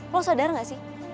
lo sadar gak sih